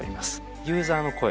ユーザーの声